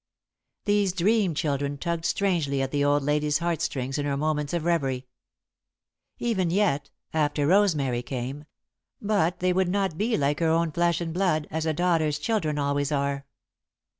These dream children tugged strangely at the old lady's heart strings in her moments of reverie. Even yet, after Rosemary came but they would not be like her own flesh and blood, as a daughter's children always are.